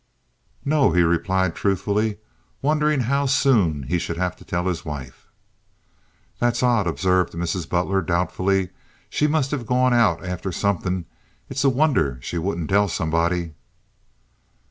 "No," he replied, truthfully, wondering how soon he should have to tell his wife. "That's odd," observed Mrs. Butler, doubtfully. "She must have gone out after somethin'. It's a wonder she wouldn't tell somebody."